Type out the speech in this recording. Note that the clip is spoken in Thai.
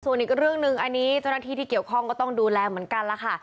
ส่วนอีกเรื่องหนึ่งอันนี้เจ้าหน้าที่ที่เกี่ยวข้องก็ต้องดูแลเหมือนกันล่ะค่ะ